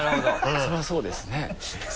それはそうですね。